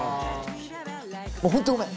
本当ごめん！